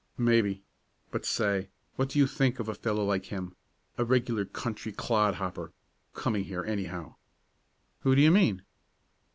"Maybe. But say, what do you think of a fellow like him a regular country clod hopper coming here, anyhow?" "Who do you mean?"